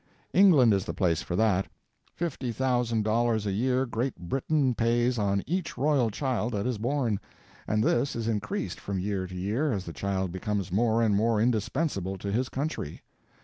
England is the place for that. Fifty thousand dollars a year Great Britain pays on each royal child that is born, and this is increased from year to year as the child becomes more and more indispensable to his country.